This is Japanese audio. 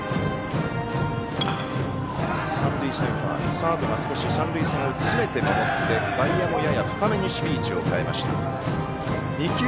サードが少し三塁線を詰めて守って外野も、やや深めに守備位置を変えました。